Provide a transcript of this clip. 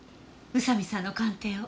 宇佐見さんの鑑定を。